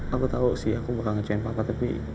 aku tahu sih aku berangkat cinta sama papa tapi